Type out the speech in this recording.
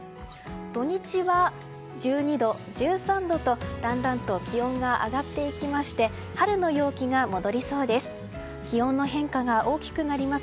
土日は１２度、１３度とだんだんと気温が上がっていきまして春の陽気が戻りそうです。